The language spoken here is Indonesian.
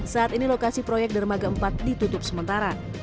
saat ini lokasi proyek dermaga empat ditutup sementara